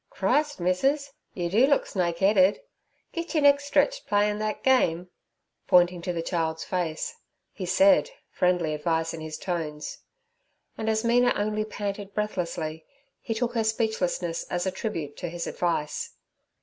'Christ, missis! you do look snake 'eaded. Git yer neck stretched playin' that game' pointing to the child's face, he said, friendly advice in his tones; and as Mina only panted breathlessly, he took her speechlessness as a tribute to his advice.